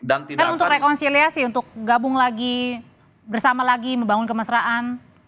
kan untuk rekonsiliasi untuk gabung lagi bersama lagi membangun kemesraan